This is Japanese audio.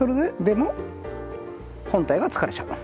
でも本体が疲れちゃう。